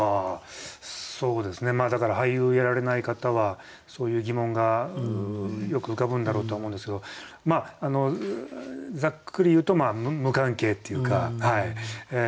そうですねだから俳優やられない方はそういう疑問がよく浮かぶんだろうとは思うんですけどざっくり言うと無関係っていうか。